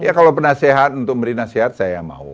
ya kalau penasehat untuk memberi nasihat saya mau